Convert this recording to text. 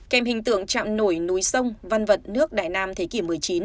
kèm hình tượng chạm nổi núi sông văn vật nước đại nam thế kỷ một mươi chín